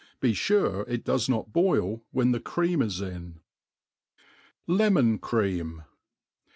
Be fure it does not boil when the cream is in. Lenion^Cream.